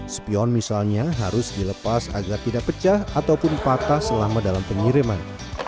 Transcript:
spion misalnya harus dilepas agar tidak pecah ataupun patah selama dalam pengiriman